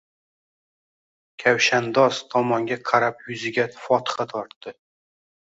Kavshandoz tomonga qarab yuziga fotiha tortdi.